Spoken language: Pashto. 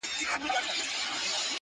د زړگي غوښي مي د شپې خوراك وي.